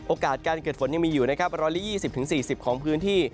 โอกาสการเกิดฝนยังมีอยู่นะครับ๑๒๐๔๐ของพื้นที่